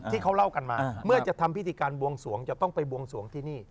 ที่เขาเล่ากันมาเมื่อจะทำพิธีการบวงสวงจะต้องไปบวงสวงที่นี่